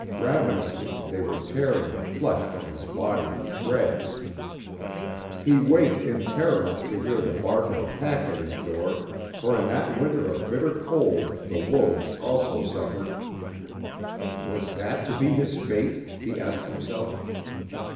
Ravenously they were tearing the flesh from his body in shreds. He waked in terror to hear the bark of a pack at his door, for in that winter of bitter cold the wolves also suffered. "Was that to be his fate?" he asked himself.